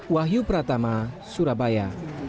wahyu pratama surabaya